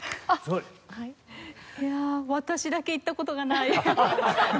いやあ私だけ行った事がない。